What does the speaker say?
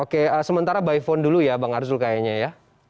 oke sementara by phone dulu ya bang arzul kayaknya ya